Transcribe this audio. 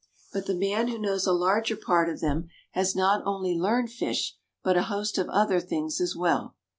But the man who knows a large part of them has not only learned fish, but a host of other things as well.